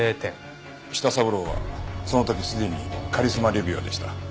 舌三郎はその時すでにカリスマ・レビュアーでした。